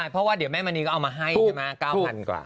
เพราะว่าเดี๋ยวแม่มณีก็เอามาให้ใช่ไหม๙๐๐กว่า